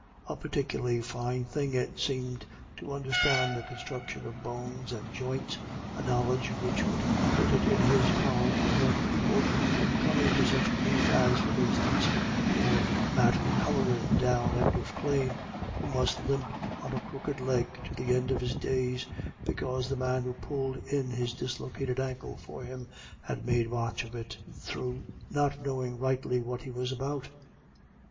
A particularly fine thing it seemed to understand the construction of bones and joints, a knowledge which would put it in his power to prevent people from coming to such grief as, for instance, poor Matt Haloran down at Duffclane, who must limp on a crooked leg to the end of his days, because the man who pulled in his dislocated ankle for him had made a botch of it, through not knowing rightly what he was about.